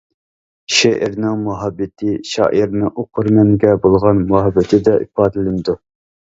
شېئىرنىڭ مۇھەببىتى شائىرنىڭ ئوقۇرمەنگە بولغان مۇھەببىتىدە ئىپادىلىنىدۇ.